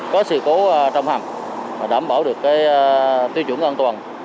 có sự cố trong hầm đảm bảo được tiêu chuẩn an toàn